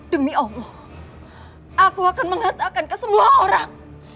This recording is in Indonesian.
demi allah aku akan mengatakankan semua orang